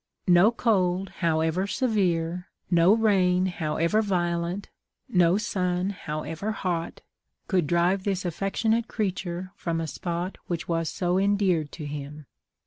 No cold, however severe, no rain, however violent, no sun, however hot, could drive this affectionate creature from a spot which was so endeared to him.